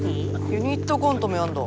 ユニットコントもやるんだ？